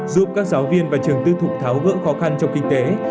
giúp các giáo viên và trường tư thục tháo gỡ khó khăn trong kinh tế